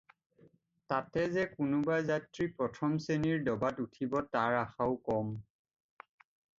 তাতে যে কোনোবা যাত্ৰী প্ৰথম শ্ৰেণীৰ ডবাত উঠিব তাৰ আশাও কম।